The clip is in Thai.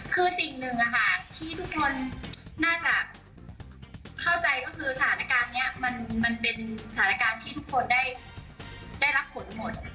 คือสิ่งหนึ่งที่ทุกคนน่าจะเข้าใจก็คือสถานการณ์นี้มันเป็นสถานการณ์ที่ทุกคนได้รับผลหมด